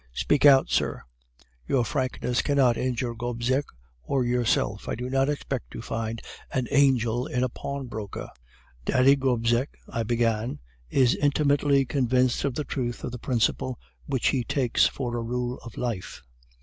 "'Speak out, sir. Your frankness cannot injure Gobseck or yourself. I do not expect to find an angel in a pawnbroker.' "'Daddy Gobseck,' I began, 'is intimately convinced of the truth of the principle which he takes for a rule of life.